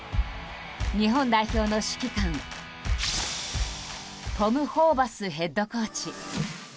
日本代表の指揮官トム・ホーバスヘッドコーチ。